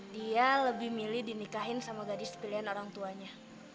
dia lebih milih dinikahin sama gadis pilihan orang tuanya